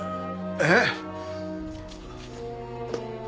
えっ！？